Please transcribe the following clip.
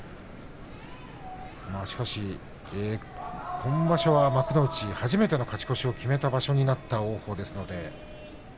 しかし今場所は幕内初めての勝ち越しを決めた王鵬です。